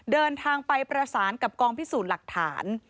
เดินทางไปประสานกับกองพิสูจน์หลักฐาน